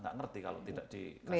tidak ngerti kalau tidak dikasih